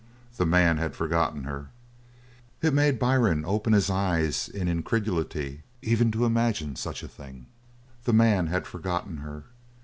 The man had forgotten her. It made Byrne open his eyes in incredulity even to imagine such a thing. The man had forgotten her!